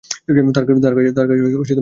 তাঁর কাছে কোনো ঠিকানা নেই।